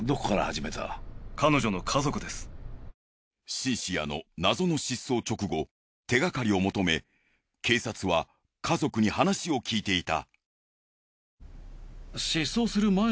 シンシアの謎の失踪直後手がかりを求め警察は家族に話を聞いていた。